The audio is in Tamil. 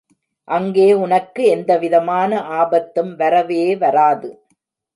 அங்கே உனக்கு எந்த விதமான ஆபத்தும் வரவே வராது.